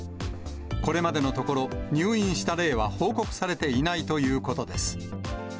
これまでのところ、入院した例は報告されていないということです。